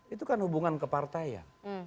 itu kan hubungan ke partai ya